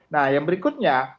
nah yang berikutnya